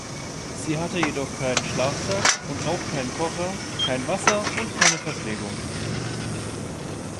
Sie hatte jedoch keinen Schlafsack und auch keinen Kocher, kein Wasser und keine Verpflegung.